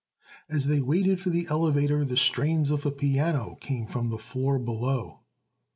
As they waited for the elevator the strains of a piano came from the floor below.